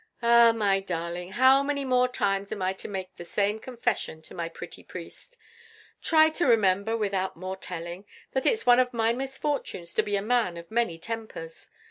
"Ah, my darling, how many more times am I to make the same confession to my pretty priest? Try to remember, without more telling, that it's one of my misfortunes to be a man of many tempers.